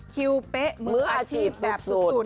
คิวเป๊ะมืออาชีพแบบสุด